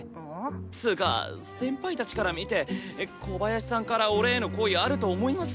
つぅか先輩たちから見て小林さんから俺への好意あると思います？